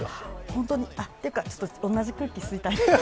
本当にというか、同じ空気を吸いたい。